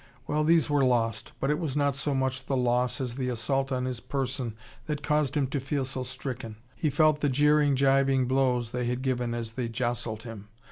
Well, these were lost. But it was not so much the loss as the assault on his person that caused him to feel so stricken. He felt the jeering, gibing blows they had given as they jostled him.